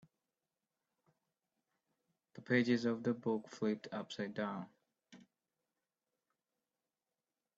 The pages of the book flipped upside down.